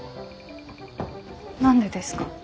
何でですか？